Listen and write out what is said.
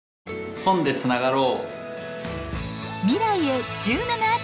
本でつながろう！